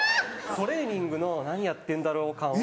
トレーニングの「何やってんだろう感」は。